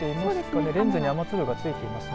レンズに雨粒がついてますね。